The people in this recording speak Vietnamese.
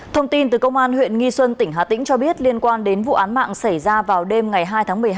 thông tin từ công an huyện nghi xuân tỉnh hà tĩnh cho biết liên quan đến vụ án mạng xảy ra vào đêm ngày hai tháng một mươi hai